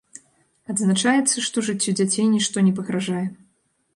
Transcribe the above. Адзначаецца, што жыццю дзяцей нішто не пагражае.